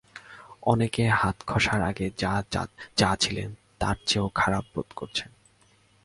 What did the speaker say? অনেকে হাত ঘষার আগে যা ছিলেন, তার চেযেও খারাপ বোধ করছেন।